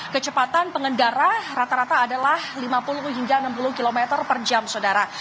kecepatan pengendara rata rata adalah lima puluh hingga enam puluh km per jam saudara